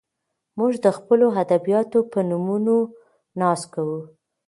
موږ د خپلو ادیبانو په نومونو ناز کوو.